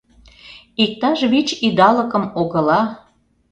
Иктаж вич идалыкым огыла.